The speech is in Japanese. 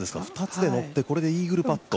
２つで乗ってこれでイーグルパット。